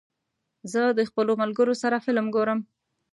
زه د خپلو ملګرو سره فلم ګورم.